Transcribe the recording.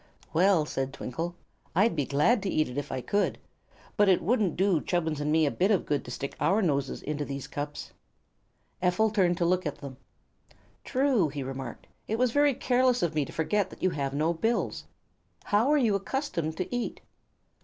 "Well," said Twinkle, "I'd be glad to eat it if I could. But it wouldn't do Chubbins and me a bit of good to stick our noses into these cups." Ephel turned to look at them. "True," he remarked; "it was very careless of me to forget that you have no bills. How are you accustomed to eat?"